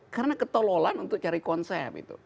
karena ketelolan untuk cari konsep